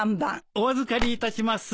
お預かりいたします。